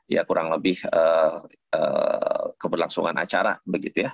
ya kurang lebih keberlangsungan acara begitu ya